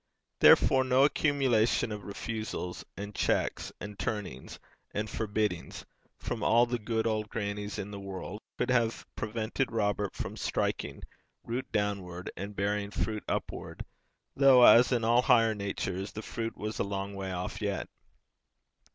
Therefore no accumulation of refusals, and checks, and turnings, and forbiddings, from all the good old grannies in the world, could have prevented Robert from striking root downward, and bearing fruit upward, though, as in all higher natures, the fruit was a long way off yet.